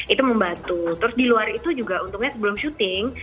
itu membantu terus di luar itu juga untungnya sebelum syuting